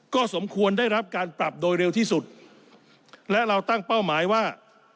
ก็สมควรได้รับการปรับโดยเร็วที่สุดและเราตั้งเป้าหมายว่า